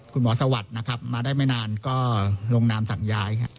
สวัสดิ์นะครับมาได้ไม่นานก็ลงนามสั่งย้าย